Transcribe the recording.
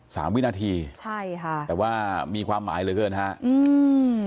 วินาทีใช่ค่ะแต่ว่ามีความหมายเหลือเกินฮะอืม